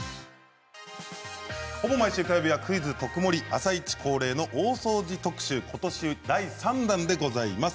ほぼ毎週火曜日は「クイズとくもり」「あさイチ」恒例の大掃除特集ことしは第３弾でございます。